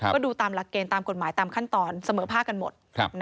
ก็ดูตามหลักเกณฑ์ตามกฎหมายตามขั้นตอนเสมอภาคกันหมด